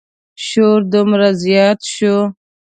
شور دومره زیات شو.